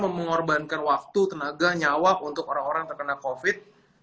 mengorbankan waktu tenaga nyawa untuk orang orang terkena covid